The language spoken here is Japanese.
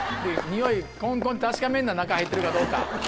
コンコン確かめるな中入ってるかどうか。